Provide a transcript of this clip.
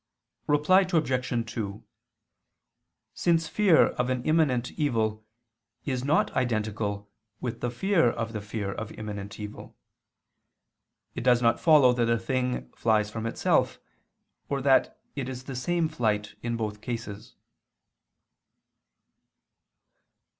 Reply Obj. 2: Since fear of an imminent evil is not identical with the fear of the fear of imminent evil; it does not follow that a thing flies from itself, or that it is the same flight in both cases.